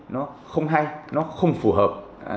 nó không hay nó không phù hợp